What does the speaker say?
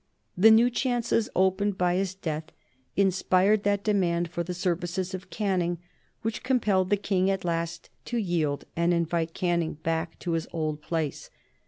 The new chances opened by his death inspired that demand for the services of Canning which compelled the King at last to yield and invite Canning back to his old place.